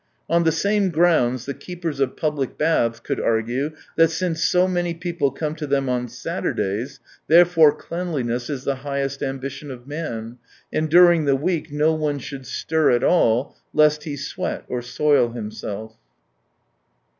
On the same grounds the keepers of public baths could argue that, since so many people come to them on Saturdays, therefore cleanliness is the highest ambition of man, and during the week no one should stir at all, lest he sweat or soil himself.